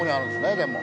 でも。